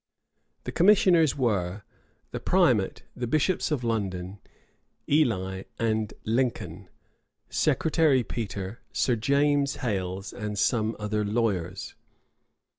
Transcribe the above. {1551.} The commissioners were, the primate, the bishops of London, Ely, and Lincoln, Secretary Petre, Sir James Hales, and some other lawyers.